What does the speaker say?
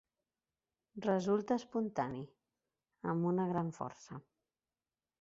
Resulta espontani, amb una gran força.